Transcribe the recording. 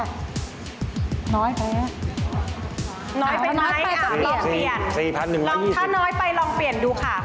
น้อยไปไหมลองเปลี่ยนค่ะถ้าน้อยไปลองเปลี่ยนดูค่ะ๔๑๒๐บาท